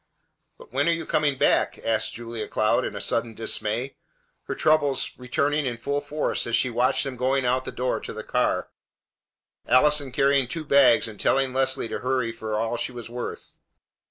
"But when are you coming back?" asked Julia Cloud in sudden dismay, her troubles returning in full force as she watched them going out the door to the car, Allison carrying two bags and telling Leslie to hurry for all she was worth.